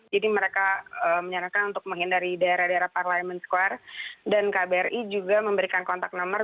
jadi mereka menyarankan untuk menghindari daerah daerah parliament square dan kbri juga memberikan kontak nomor